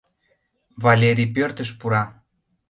Валерий пӧртыш пура.